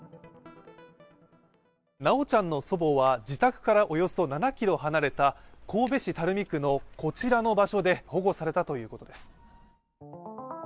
修ちゃんの祖母は自宅からおよそ７ｋｍ離れた神戸市垂水区のこちらの場所で保護されたということです。